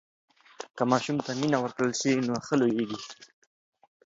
که ماشوم ته مینه ورکړل سي نو ښه لویېږي.